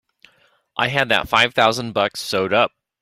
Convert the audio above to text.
I had that five thousand bucks sewed up!